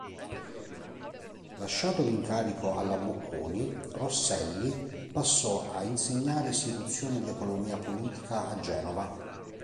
Lasciato l'incarico alla Bocconi, Rosselli passò a insegnare Istituzioni di economia politica a Genova.